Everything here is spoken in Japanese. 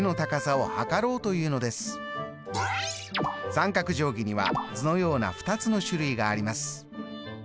三角定規には図のような２つの種類があります。